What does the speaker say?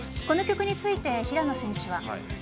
この曲について、平野選手は。